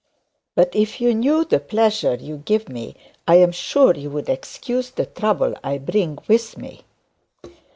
But if you knew the pleasure you give me, I am sure you would excuse the trouble I bring with me.'